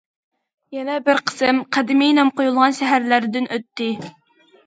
يەنە بىر قىسىم قەدىمىي نام قويۇلغان شەھەرلەردىن ئۆتتى.